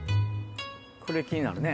これ気になるね。